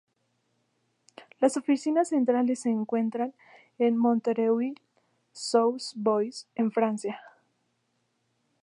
Las oficinas centrales se encuentran en Montreuil-Sous-Bois, en Francia.